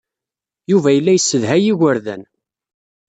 Yuba yella yessedhay igerdan.